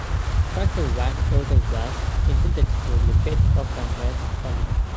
Corrective Work Order was intended for repeat offenders only.